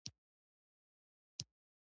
راځئ چې د خپل هېواد دغه سیمه وپیژنو.